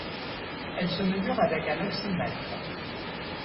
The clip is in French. Elle se mesure avec un oxymètre.